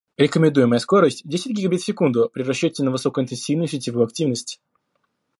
Рекомендуемая скорость десять гигабит в секунду при расчете на высокоинтенсивную сетевую активность